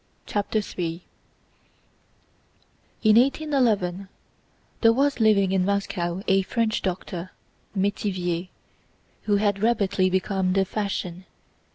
CHAPTER III In 1811 there was living in Moscow a French doctor—Métivier—who had rapidly become the fashion.